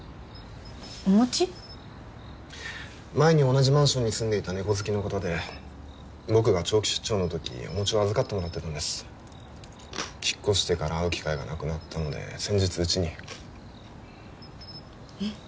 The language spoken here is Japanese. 前に同じマンションに住んでいた猫好きの方で僕が長期出張のときおもちを預かってもらってたんです引っ越してから会う機会がなくなったので先日うちにえっ？